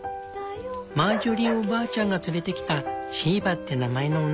マージョリーおばあちゃんが連れてきたシーバって名前の女の子。